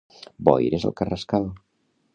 Boires al Carrascal